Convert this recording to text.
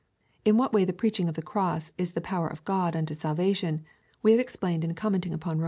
In what way the preaching of the cross is the power of God unto salvation, we have explained in commenting upon Rom.